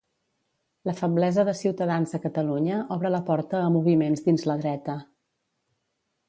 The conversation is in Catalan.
La feblesa de Ciutadans a Catalunya obre la porta a moviments dins la dreta.